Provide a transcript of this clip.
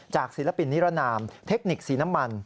ศิลปินนิรนามเทคนิคสีน้ำมัน